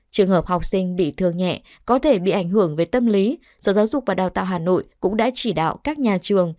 trường hợp học sinh bị thương nhẹ có thể bị ảnh hưởng về tâm lý sở giáo dục và đào tạo hà nội cũng đã chỉ đạo các nhà trường